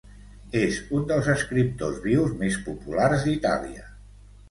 És un dels escriptors vius més populars d'Itàlia.